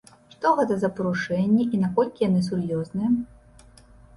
Што гэта за парушэнні і наколькі яны сур'ёзныя?